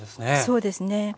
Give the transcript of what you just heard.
そうですね。